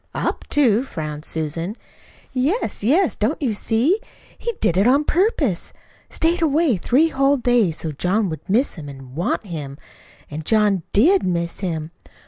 "Up to?" frowned Susan. "Yes, yes! Don't you see? He did it on purpose stayed away three whole days, so John would miss him an' WANT him. An' John DID miss him.